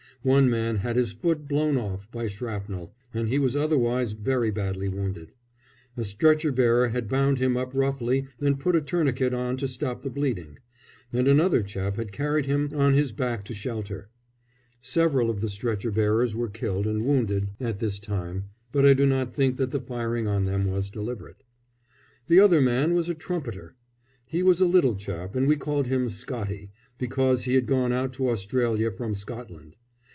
One man had his foot blown off by shrapnel, and he was otherwise very badly wounded. A stretcher bearer had bound him up roughly and put a tourniquet on to stop the bleeding; and another chap had carried him on his back to shelter. Several of the stretcher bearers were killed and wounded at this time, but I do not think that the firing on them was deliberate. The other man was a trumpeter. He was a little chap, and we called him "Scottie," because he had gone out to Australia from Scotland.